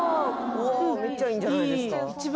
めっちゃいいんじゃないですか？